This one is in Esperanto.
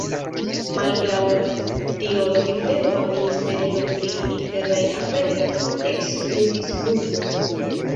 Malgraŭ tio tiutempa ministerio pri internaj aferoj ekskludis murdon.